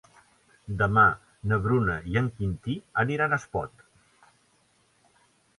Demà na Bruna i en Quintí aniran a Espot.